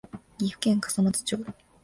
岐阜県笠松町